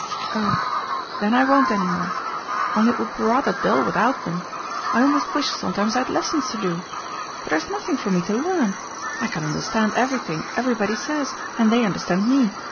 "Oh, then I won't any more. Only it will be rather dull without them. I almost wish sometimes I had lessons to do. But there's nothing for me to learn. I can understand everything everybody says, and they understand me.